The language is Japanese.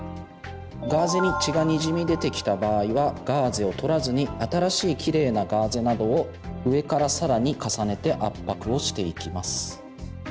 ガーゼに血がにじみ出てきた場合はガーゼを取らずに新しいキレイなガーゼなどを上から更に重ねて圧迫をしていきます。